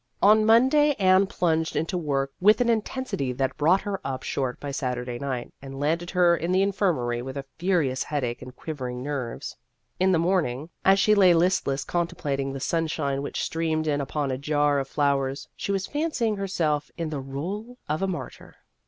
On Monday Anne plunged into work with an intensity that brought her up short by Saturday night, and landed her in the infirmary with a furious headache and quivering nerves. In the morning, A Case of Incompatibility 147 as she lay listlessly contemplating the sun shine which streamed in upon a jar of flowers, she was fancying herself in the rdle of a martyr.